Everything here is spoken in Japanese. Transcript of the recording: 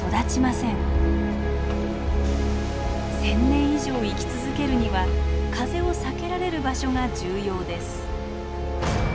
１，０００年以上生き続けるには風を避けられる場所が重要です。